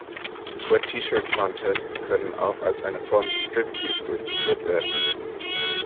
Wet-T-Shirt-Contests können auch als eine Form des Striptease durchgeführt werden.